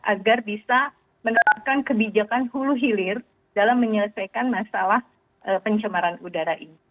agar bisa menerapkan kebijakan hulu hilir dalam menyelesaikan masalah pencemaran udara ini